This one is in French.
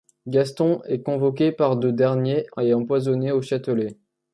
Gaston est convoqué par de dernier est emprisonné au Châtelet.